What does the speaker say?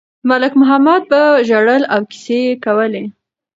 ملک محمد به ژړل او کیسې یې کولې.